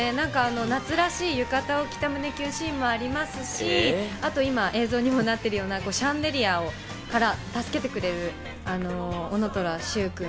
夏らしい浴衣を着た胸キュンシーンもありますし、映像にもなっているようなシャンデリアから助けてくれる男虎柊君。